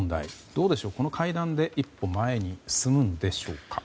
どうでしょう、この会談で一歩前に進むんでしょうか。